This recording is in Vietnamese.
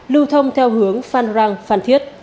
lưu thông theo hướng phan rang phan thiết